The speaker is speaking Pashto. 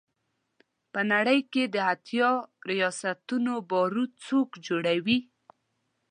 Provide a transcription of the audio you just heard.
په نړۍ کې د اتیا ریاستونو بارود څوک جوړوي.